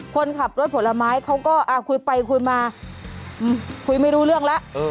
คนขับรถผลไม้เขาก็คุยไปคุยมาคุยไม่รู้เรื่องแล้ว